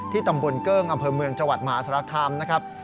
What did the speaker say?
ตำบลเกิ้งอำเภอเมืองจังหวัดมหาสารคามนะครับ